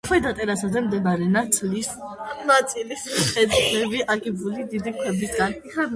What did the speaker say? ქვედა ტერასაზე მდებარე ნაწილის კედლები აგებულია დიდი ქვებისგან.